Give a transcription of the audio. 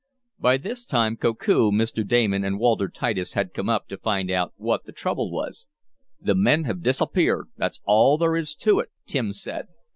By this time Koku, Mr. Damon and Walter Titus had come up to find out what the trouble was. "The min have disappeared that's all there is to it!" Tim said.